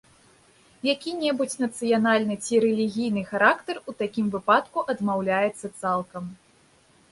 Які-небудзь нацыянальны ці рэлігійны характар у такім выпадку адмаўляецца цалкам.